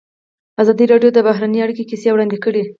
ازادي راډیو د بهرنۍ اړیکې کیسې وړاندې کړي.